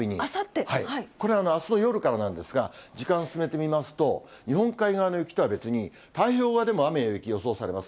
これ、あすの夜からなんですが、時間進めてみますと、日本海側の雪とは別に、太平洋側でも雨や雪が予想されます。